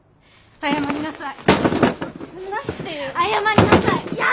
謝りなさい！